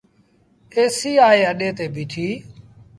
ايسيٚ آئي اَڏي تي بيٚٺيٚ۔